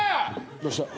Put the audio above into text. どうした？